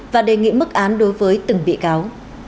và đề nghị mức án đối với từng bị cáo